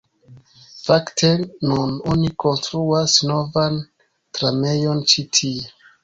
Fakte, nun oni konstruas novan tramejon ĉi tie